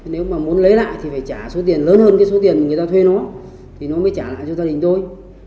nếu mà muốn lấy lại thì phải trả số tiền lớn hơn cái số tiền người ta thuê nó thì nó mới trả lại cho gia đình tôi